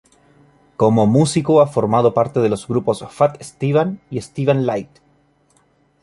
Como músico ha formado parte de los grupos "Fat Esteban" y "Esteban Light".